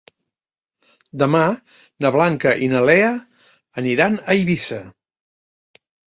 Demà na Blanca i na Lea aniran a Eivissa.